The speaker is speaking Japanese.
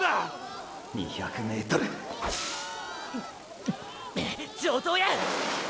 ２００ｍ上等や！